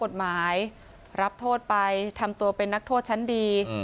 กฎหมายรับโทษไปทำตัวเป็นนักโทษชั้นดี